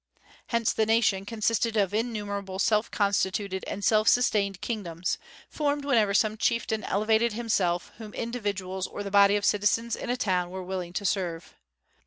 Hence the nation consisted of innumerable self constituted and self sustained kingdoms, formed whenever some chieftain elevated himself whom individuals or the body of citizens in a town were willing to serve.